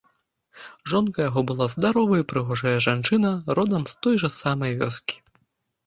Жонка яго была здаровая і прыгожая жанчына, родам з той жа самай вёскі.